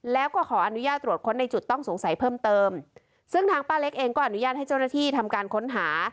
แล้วก็ขออนุญาตตรวจค้นในจุดต้องสงสัยเพิ่มเติมซึ่งทางป้าเล็กเองก็อนุญาตให้เจ้าหน้าที่ทำการค้นหา